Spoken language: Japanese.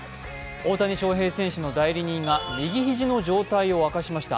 大谷翔平選手の代理人が右肘の状態を明かしました。